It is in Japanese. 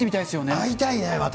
会いたいね、また。